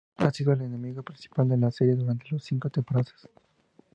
Ha sido el enemigo principal de la serie durante las cinco primeras temporadas.